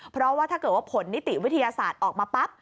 เพราะว่าถ้าเกิดว่าผลนิติวิทยาศาสตร์ออกมาปั๊บ